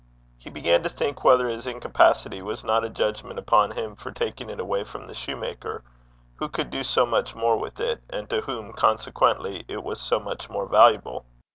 He began to think whether his incapacity was not a judgment upon him for taking it away from the soutar, who could do so much more with it, and to whom, consequently, it was so much more valuable.